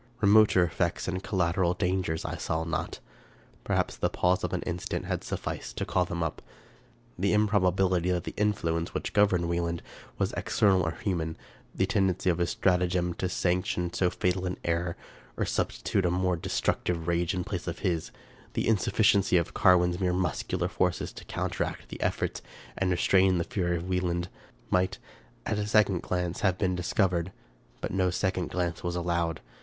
Remoter effects and collateral dangers I saw not. Perhaps the pause of an instant had sufficed to call them up. The improba bility that the influence which governed Wieland was ex ternal or human ; the tendency of this stratagem to sanction so fatal an error or substitute a more destructive rage in place of this ; the insufficiency of Carwin's mere muscular forces to counteract the efforts and restrain the fury of Wieland, might, at a second glance, have been discovered ; but no second glance was allowed.